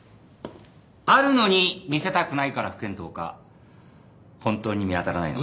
あるのに見せたくないから不見当か本当に見当たらないのか。